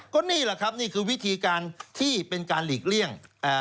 ก็นี่แหละครับนี่คือวิธีการที่เป็นการหลีกเลี่ยง